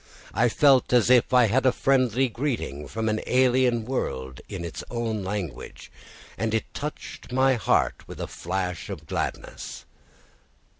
I felt as if I had a friendly greeting from an alien world in its own language, and it touched my heart with a flash of gladness.